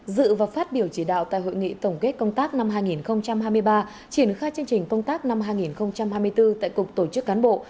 dự và phát biểu chỉ đạo tại hội nghị tổng kết công tác năm hai nghìn hai mươi ba triển khai chương trình công tác năm hai nghìn hai mươi bốn tại cục tổ chức cán bộ